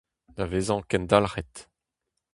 Da vezañ kendalc'het…